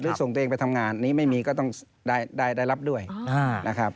ส่งตัวเองไปทำงานนี้ไม่มีก็ต้องได้รับด้วยนะครับ